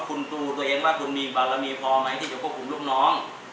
คุณดูตัวเองว่าคุณมีบารมีพอไหมที่จะควบคุมลูกน้อง